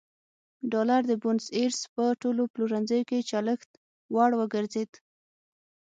ډالر د بونیس ایرس په ټولو پلورنځیو کې چلښت وړ وګرځېد.